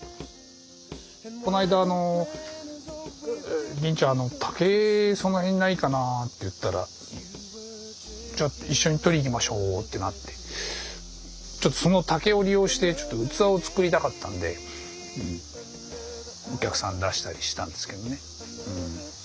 この間「林ちゃん竹その辺にないかな？」って言ったら「じゃあ一緒にとりに行きましょう」ってなってその竹を利用してちょっと器を作りたかったんでお客さんに出したりしたんですけどね。